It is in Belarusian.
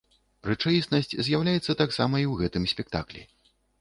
Рэчаіснасць з'яўляецца таксама і ў гэтым спектаклі.